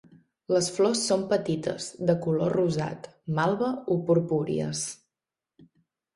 Les flors són petites, de color rosat, malva o purpúries.